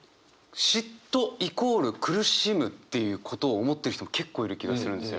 嫉妬イコール苦しむっていうことを思ってる人も結構いる気がするんですよ